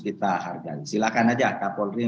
kita hargai silakan aja kapolri